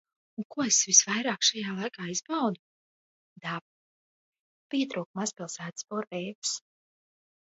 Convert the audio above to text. Un ko es visvairāk šajā laikā izbaudu? Dabu. Pietrūka mazpilsētas burvības.